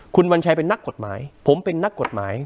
คุณวัญชัยเป็นนักกฎหมายผมเป็นนักกฎหมาย